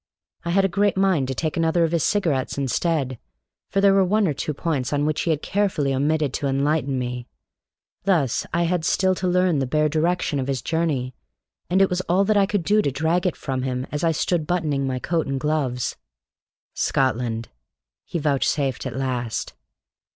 I had a great mind to take another of his cigarettes instead, for there were one or two points on which he had carefully omitted to enlighten me. Thus, I had still to learn the bare direction of his journey; and it was all that I could do to drag it from him as I stood buttoning my coat and gloves. "Scotland," he vouchsafed at last.